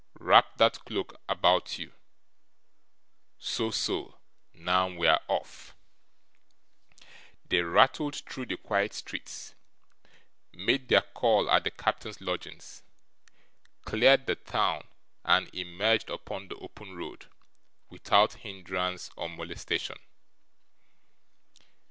Wrap that cloak about you. So, so; now we're off.' They rattled through the quiet streets, made their call at the captain's lodgings, cleared the town, and emerged upon the open road, without hindrance or molestation.